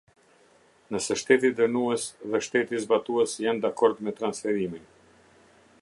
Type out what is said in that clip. Nëse Shteti dënues dhe Shteti zbatues janë dakord me transferimin.